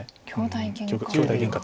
兄弟げんか。